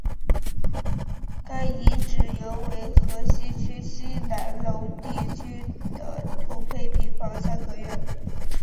该遗址原为河西区西南楼地区的土坯平房的三合院。